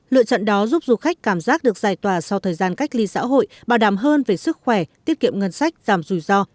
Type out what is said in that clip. lựa chọn đó giúp du khách cảm giác được giải tỏa sau thời gian cách ly xã hội bảo đảm hơn về sức khỏe tiết kiệm ngân sách giảm rủi ro